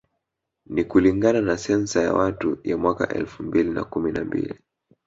Ni kulingana na sensa ya watu ya mwaka elfu mbili na kumi na mbili